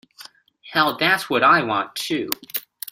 Hell, that's what I want too.